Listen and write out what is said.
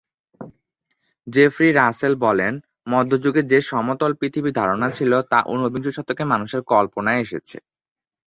Jeffrey Russell বলেন, মধ্য যুগে যে সমতল পৃথিবীর ধারণা ছিল তা ঊনবিংশ শতকে মানুষের কল্পনায় এসেছে।